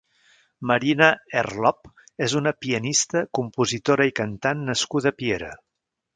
Marina Herlop és una pianista, compositora i cantant nascuda a Piera.